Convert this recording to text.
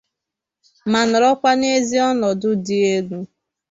ma nọrọkwa n'ezi ọnọdụ dị elu.